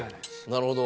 なるほど。